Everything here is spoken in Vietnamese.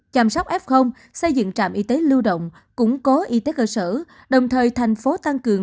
chăm sóc f xây dựng trạm y tế lưu động củng cố y tế cơ sở đồng thời thành phố tăng cường